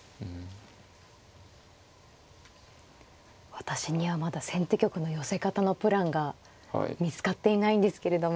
私にはまだ先手玉の寄せ方のプランが見つかっていないんですけれども。